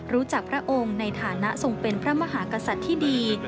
พระองค์ในฐานะทรงเป็นพระมหากษัตริย์ที่ดี